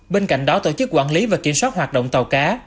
bên cạnh đó tổ chức quản lý và kiểm soát hoạt động tàu cá